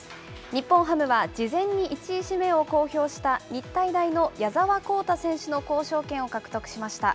日本ハムは事前に１位指名を公表した日体大の矢澤宏太選手の交渉権を獲得しました。